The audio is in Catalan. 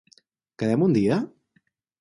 Quedem un dia?